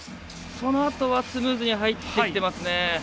そのあとはスムーズに入ってきてますね。